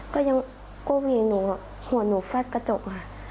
ก็ยังก้มเพลงหนูหัวหนูฟัดกระจกค่ะ